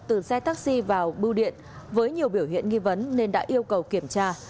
từ xe taxi vào bưu điện với nhiều biểu hiện nghi vấn nên đã yêu cầu kiểm tra